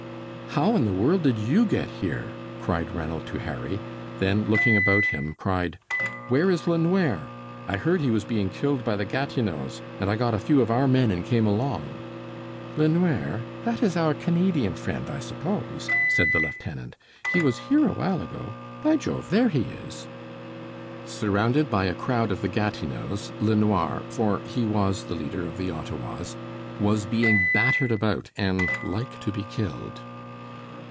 "How in the world did YOU get here?" cried Ranald to Harry; then, looking about him, cried: "Where is LeNware? I heard he was being killed by the Gatineaus, and I got a few of our men and came along." "LeNware? That is our Canadian friend, I suppose," said the lieutenant. "He was here a while ago. By Jove! There he is." Surrounded by a crowd of the Gatineaus, LeNoir, for he was the leader of the Ottawas, was being battered about and like to be killed.